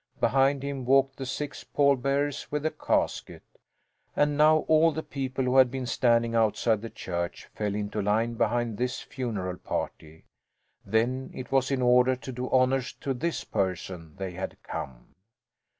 Behind him walked the six pall bearers with the casket. And now all the people who had been standing outside the church fell into line behind this funeral party. Then it was in order to do honour to this person they had come.